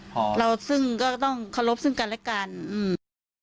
เราซึ่งก็ต้องเคารพซึ่งกันและกันอืม